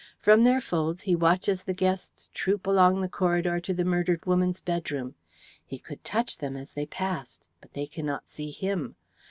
From their folds he watches the guests troop along the corridor to the murdered woman's bedroom. He could touch them as they passed, but they cannot see him.